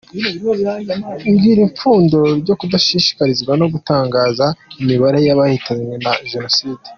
Ngiri ipfundo ryo kudashishikazwa no gutangaza imibare y’abahitanywe na jenoside.